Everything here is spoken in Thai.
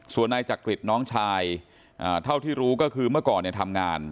ส่วนนายจักริตน้องชายเท่าที่รู้ก็คือเมื่อก่อนทำงาน